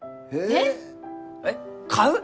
えっ？えっ？買う！？